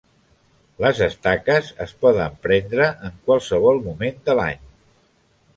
Les estaques es poden prendre en qualsevol moment de l'any.